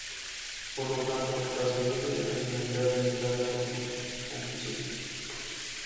Por lo tanto, las ideas de racionalidad limitada son su antítesis.